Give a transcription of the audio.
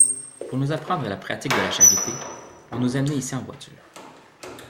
Pour nous apprendre la pratique de la charité, on nous amenait ici en voiture.